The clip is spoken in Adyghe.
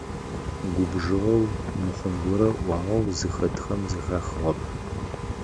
Губжыгъэу, мыхъун горэ ыӏуагъэу зыхэтхэм зэхахыгъэп.